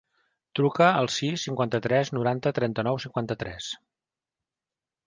Truca al sis, cinquanta-tres, noranta, trenta-nou, cinquanta-tres.